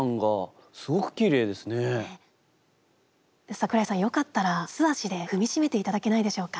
櫻井さんよかったら素足で踏み締めて頂けないでしょうか。